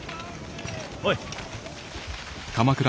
おい。